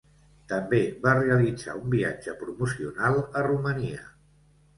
També va realitzar un viatge promocional a Romania.